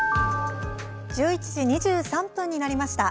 １１時２３分になりました。